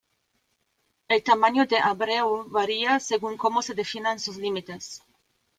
El tamaño de Abreu varía, según cómo se definan sus límites.